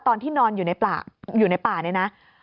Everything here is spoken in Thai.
ตอนที่นอนอยู่ในป่าเนี่ยนะ